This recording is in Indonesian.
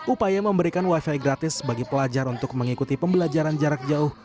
upaya memberikan wifi gratis bagi pelajar untuk mengikuti pembelajaran jarak jauh